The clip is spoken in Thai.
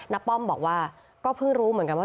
ป้อมบอกว่าก็เพิ่งรู้เหมือนกันว่า